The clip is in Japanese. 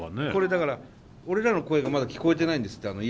これだから俺らの声がまだ聞こえてないんですって。